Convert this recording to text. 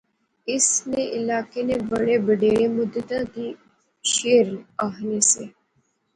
اس نے علاقے نے بڑے بڈھیر مدتیں تھیں شعر آخنے سے